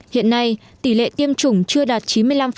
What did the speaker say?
hiện nay tỉ lệ tiêm chủng chưa đạt